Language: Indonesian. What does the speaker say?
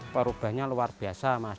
perubahannya luar biasa mas